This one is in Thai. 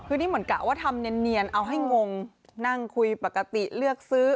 คือนี่เหมือนกะว่าทำเนียนเอาให้งงนั่งคุยปกติเลือกซื้อ